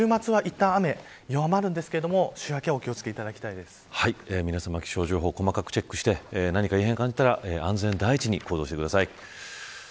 週末はいったん雨弱まるんですけど、週明け皆さま、気象情報細かくチェックして何か異変を感じたら安全第一に行動してください。